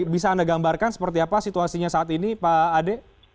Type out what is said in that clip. bisa anda gambarkan seperti apa situasinya saat ini pak ade